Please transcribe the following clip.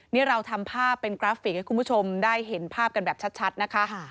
นี่เราทำภาพเป็นกราฟิกให้คุณผู้ชมได้เห็นภาพกันแบบชัดนะคะ